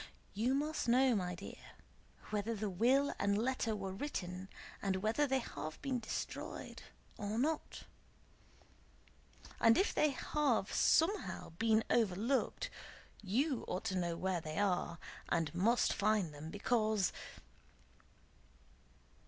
You must know, my dear, whether the will and letter were written, and whether they have been destroyed or not. And if they have somehow been overlooked, you ought to know where they are, and must find them, because..."